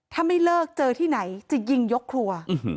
ถ้าไม่เลิกเจอที่ไหนจะยิงยกครัว